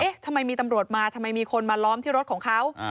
ทำไมมีตำรวจมาทำไมมีคนมาล้อมที่รถของเขา